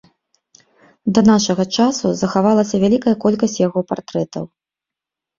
Да нашага часу захавалася вялікая колькасць яго партрэтаў.